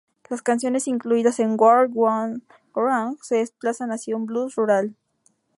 Las canciones incluidas en "World Gone Wrong" se desplazan hacia un "blues" rural.